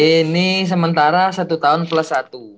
ini sementara satu tahun plus satu